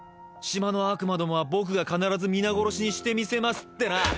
島の悪魔どもはボクが必ず皆殺しにしてみせますってな。